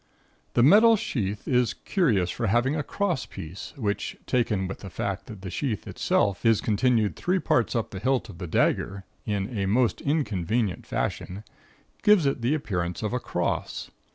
"The metal sheath is curious for having a crosspiece, which, taken with the fact that the sheath itself is continued three parts up the hilt of the dagger (in a most inconvenient fashion), gives it the appearance of a cross.